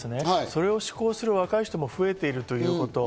それを嗜好する若い人も増えているということ。